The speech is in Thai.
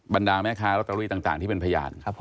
บรรดาแม่ค้ารัติรุยต่างที่เป็นพยาน